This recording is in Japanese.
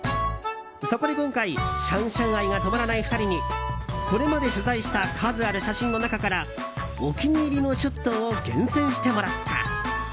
そこで今回、シャンシャン愛が止まらない２人にこれまで取材した数ある写真の中からお気に入りのショットを厳選してもらった。